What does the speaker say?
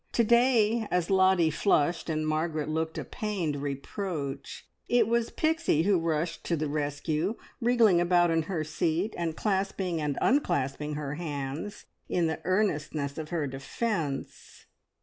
To day, as Lottie flushed, and Margaret looked a pained reproach, it was Pixie who rushed to the rescue, wriggling about in her seat, and clasping and unclasping her hands in the earnestness of her defence.